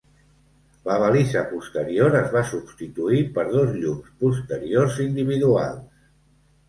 La balisa posterior es va substituir per dos llums posteriors individuals.